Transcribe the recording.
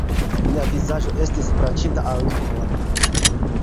Mia vizaĝo estis plaĉinta al li unuavide.